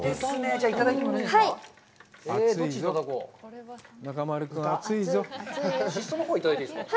じゃあ、いただいてもいいですか？